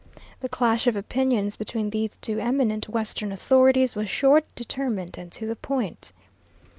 The clash of opinions between these two eminent western authorities was short, determined, and to the point.